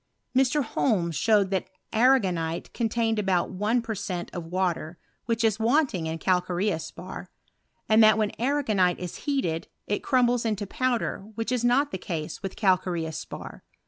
Mr. Holme showed that arrago niti! contained about one per cent, of water, whicli is wanting in calcareous spar ; and that when ana». gonite is heated, it crumbles into powder, which it not the case with calcareous spar.